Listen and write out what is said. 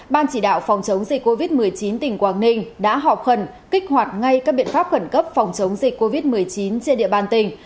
ban chỉ đạo phòng chống dịch covid một mươi chín tỉnh quảng ninh đã họp khẩn kích hoạt ngay các biện pháp khẩn cấp phòng chống dịch covid một mươi chín trên địa bàn tỉnh